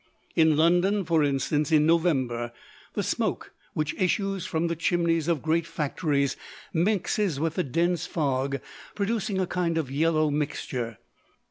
In London, for instance, in November, the smoke which issues from the chimneys of great factories mixes with the dense fog, producing a kind of yellow mixture.